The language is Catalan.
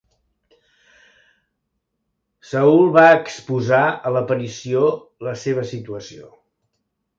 Saül va exposar a l'aparició la seva situació.